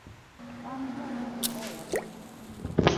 wan joneno kae wate